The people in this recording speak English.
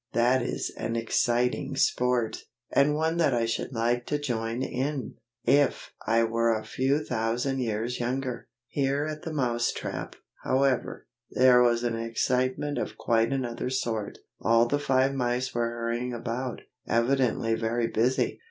That is an exciting sport, and one that I should like to join in, if I were a few thousand years younger. Here at the Mouse trap, however, there was an excitement of quite another sort. All the five mice were hurrying about, evidently very busy.